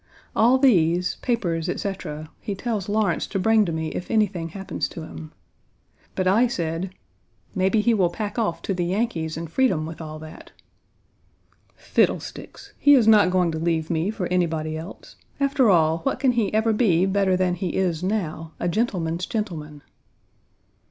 All these, papers, etc., he tells Lawrence to bring to me if anything happens to him. But I said: "Maybe he will pack off to the Yankees and freedom with all that." "Fiddlesticks! He is not going to leave me for anybody else. After all, what can he ever be, better than he is now a gentleman's gentleman?"